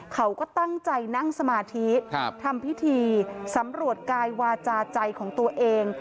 เขาก็ตั้งใจนั่งสมาธิทำพิธีสำรวจกายวาจาใจของตัวเอง